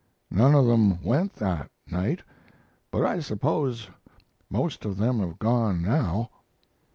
None of them went that night, but I suppose most of them have gone now."